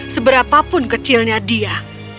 seberapapun kecilnya dia dia akan berkembang